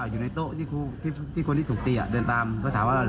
อยู่ในโต๊ะที่คนที่ถูกตีเดินตามก็ถามว่า